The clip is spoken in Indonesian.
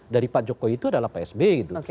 dari pak jokowi itu adalah pak s b gitu